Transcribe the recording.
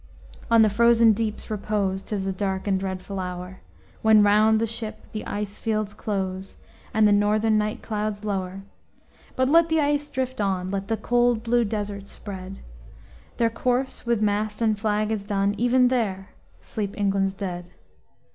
On the frozen deep's repose 'Tis a dark and dreadful hour, When round the ship the ice fields close, And the northern night clouds lower; But let the ice drift on! Let the cold blue desert spread! Their course with mast and flag is done, Even there sleep England's dead.